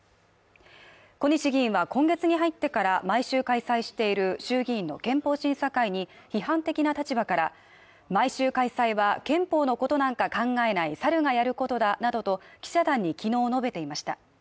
小西議員は今月に入ってから毎週開催している衆議院の憲法審査会に批判的な立場から毎週開催は憲法のことなんか考えないサルがやることだなどと記者団に昨日述べていました。